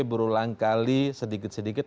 berulang kali sedikit sedikit